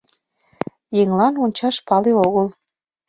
Еҥлан ончаш пале огыл.